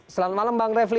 selamat malam bang revli